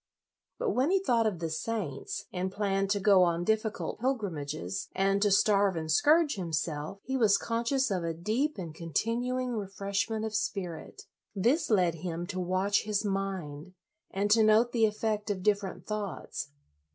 But when he thought of the saints, and planned to go on difficult pilgrim ages, and to starve and scourge himself, he was conscious of a deep and continuing LOYOLA 57 refreshment of spirit. This led him to watch his mind, and to note the effect of different thoughts.